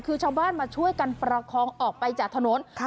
คือชาวบ้านมาช่วยกันประคองออกไปจากถนน